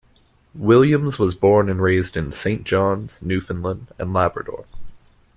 Williams was born and raised in Saint John's, Newfoundland and Labrador.